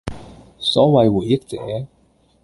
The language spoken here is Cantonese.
所謂回憶者，